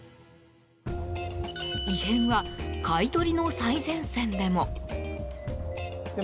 異変は買い取りの最前線でも。